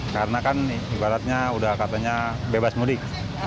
karena kan ibaratnya udah katanya bebas mudik